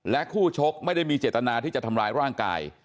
คู่ชกไม่ได้มีเจตนาที่จะทำร้ายร่างกาย